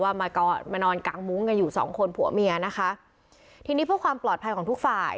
มาก็มานอนกางมุ้งกันอยู่สองคนผัวเมียนะคะทีนี้เพื่อความปลอดภัยของทุกฝ่าย